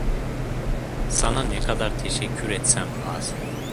Sana ne kadar teşekkür etsem az.